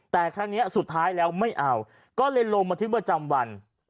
แต่ครั้งนี้สุดท้ายแล้วไม่เอาก็เลยลงบันทึกประจำวัน